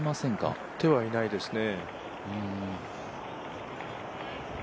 乗ってはいないですね。